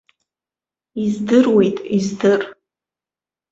Издыруеит, издыр.